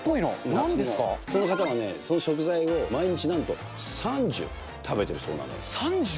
その方はね、その食材を毎日、なんと３０、食べてるそうなんです。